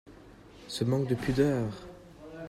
Ce manque de pudeur !…